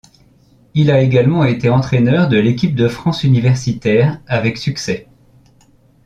Il a également été entraîneur de l'équipe de France universitaire, avec succès.